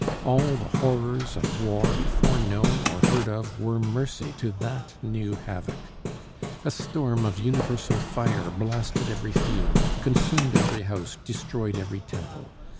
All the horrors of war before known or heard of were mercy to that new havoc. A storm of universal fire blasted every field, consumed every house, destroyed every temple.